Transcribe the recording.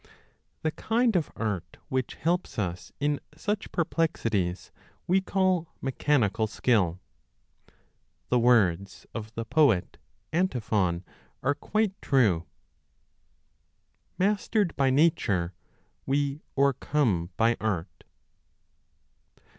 The kind of art which helps us in such perplexities we call Mechanical Skill. The words of the poet Antiphon are 2j quite true : Mastered by Nature, we o ercome by Art.